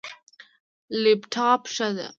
لپټاپ، ښه ده